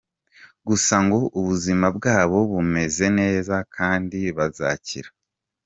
Gusa ngo ubuzima bwabo bumeze neza kandi bazakira.